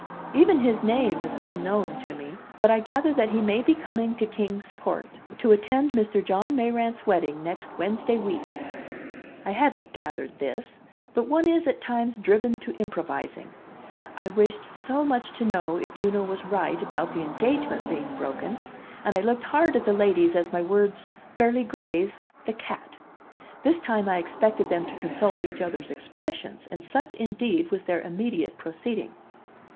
"Even his name is unknown to me. But I gather that he may be coming to Kings Port to attend Mr. John Mayrant's wedding next Wednesday week." I hadn't gathered this; but one is at times driven to improvising. I wished so much to know if Juno was right about the engagement being broken, and I looked hard at the ladies as my words fairly grazed the "cat." This time I expected them to consult each other's expressions, and such, indeed, was their immediate proceeding.